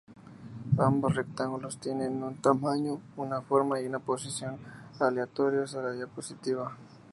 Ambos rectángulos tienen un tamaño, una forma y una posición aleatorios en la diapositiva.